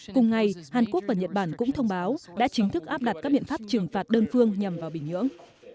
cùng ngày hàn quốc và nhật bản cũng thông báo đã chính thức áp đặt các biện pháp trừng phạt đơn phương nhằm vào bình nhưỡng